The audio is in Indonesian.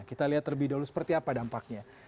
kita lihat terlebih dahulu seperti apa dampaknya